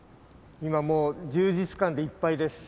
今もう充実感でいっぱいです。